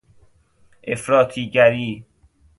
افراطی گری